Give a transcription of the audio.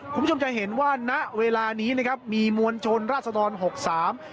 คุณผู้ชมจะเห็นว่าณเวลานี้นะครับมีมวลชนราศดรหกสาม